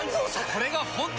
これが本当の。